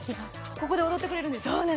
ここで踊ってくれるんですか。